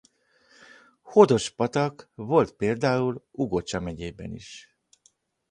Hodos-patak volt például Ugocsa megyében is.